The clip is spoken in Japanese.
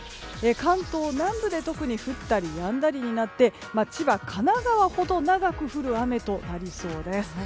関東南部で特に降ったりやんだりになって千葉、神奈川ほど長く降る雨となりそうです。